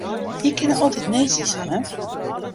Je kinne altyd nee sizze, hin.